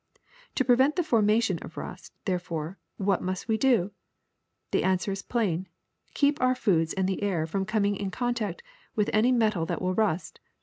To prevent the formation of rust, therefore, what must we do? The answer is plain : keep our food and the air from coming in contact with any metal that will rust.